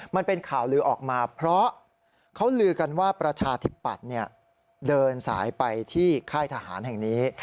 มันเป็นข่าวลือออกมาเพราะเขาลือกันว่าประชาธิปัตย์เดินสายไปที่ค่ายทหารแห่งนี้